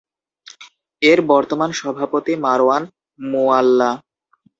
এর বর্তমান সভাপতি মারওয়ান মুওয়াল্লা।